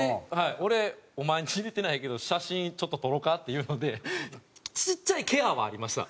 「俺お前に入れてないけど写真ちょっと撮ろうか？」っていうのでちっちゃいケアはありました。